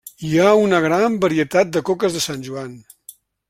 Hi ha una gran varietat de coques de Sant Joan.